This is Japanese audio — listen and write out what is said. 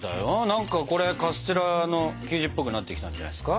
何かこれカステラの生地っぽくなってきたんじゃないですか？